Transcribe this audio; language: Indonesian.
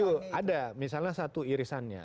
betul ada misalnya satu irisannya